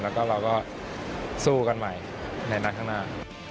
แล้วก็เราก็สู้กันใหม่ในนัดข้างหน้า